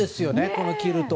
このキルト。